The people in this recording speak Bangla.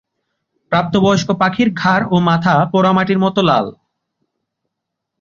প্রাপ্তবয়স্ক পাখির ঘাড় ও মাথা পোড়ামাটির মতো লাল।